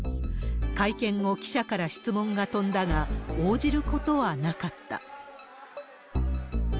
会見後、記者から質問が飛んだが、応じることはなかった。